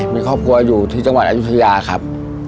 มีครอบครัวอยู่ที่จังหวัดอายุทยาครับ